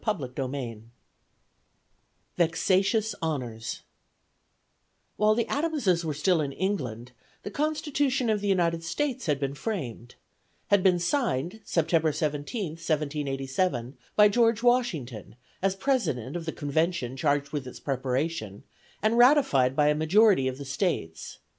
CHAPTER XI VEXATIOUS HONORS WHILE the Adamses were still in England, the Constitution of the United States had been framed; had been signed, September 17th, 1787, by George Washington, as president of the convention charged with its preparation, and ratified by a majority of the States.